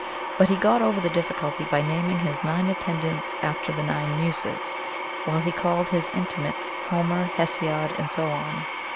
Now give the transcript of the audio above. But he got over the difficulty by naming his nine attendants after the nine Muses, while he called his intimates Homer, Hesiod, and so on.